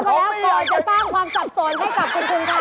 ก่อนจะต้องความซับสนให้กับคุณคุณเค้า